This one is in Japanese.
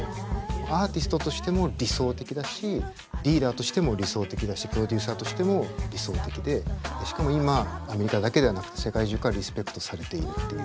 アーティストとしても理想的だしリーダーとしても理想的だしプロデューサーとしても理想的でしかも今アメリカだけではなくて世界中からリスペクトされているっていう。